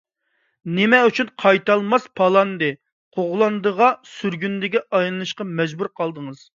نېمە ئۈچۈن قايتالماس پالاندى - قوغلاندىغا، سۈرگۈندىگە ئايلىنىشقا مەجبۇر قالدىڭىز؟